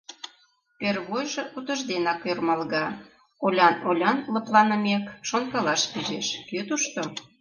Первойжо утыжденак ӧрмалга, олян-олян лыпланымек, шонкалаш пижеш: кӧ тушто?